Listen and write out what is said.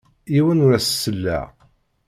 Yiwen ur as-selleɣ.